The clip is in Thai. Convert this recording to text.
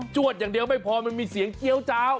วดอย่างเดียวไม่พอมันมีเสียงเกี้ยวเจ้า